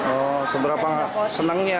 oh seberapa senangnya